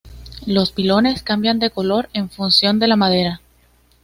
Los pilones cambian de color en función de la marea.